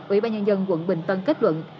ủy ban nhân dân quận bình tân kết luận